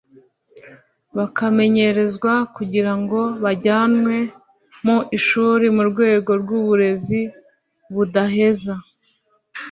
bakamenyerezwa kugira ngo bajyanwe mu ishuri mu rwego rw’uburezi budaheza